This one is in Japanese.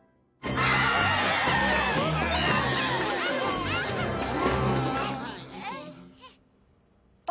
ああ。